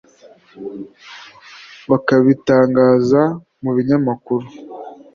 bakabitangaza mu binyamakuru